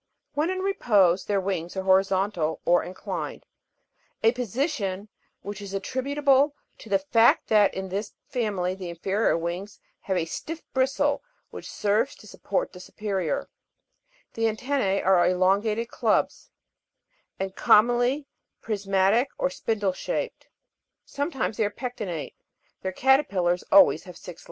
When in repose, their wings are horizontal or inclined, a position which is attributable to the fact that in this family the inferior wings have a stiff bristle which serves to sup port the superior. The antennoe are elongated clubs, and com monly prismatic or spindle shaped ; sometimes they are pectinate j their caterpillars always have six legs. _ 19. How is the Papilio philenor characterized ? 20.